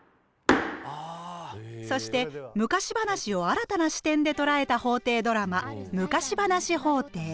そして昔話を新たな視点で捉えた法廷ドラマ「昔話法廷」。